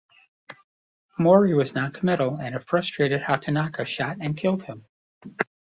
Mori was non-committal and a frustrated Hatanaka shot and killed him.